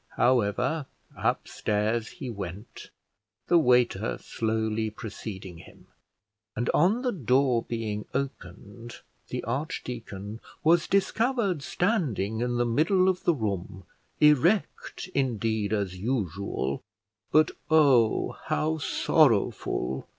However, upstairs he went, the waiter slowly preceding him; and on the door being opened the archdeacon was discovered standing in the middle of the room, erect, indeed, as usual, but oh! how sorrowful!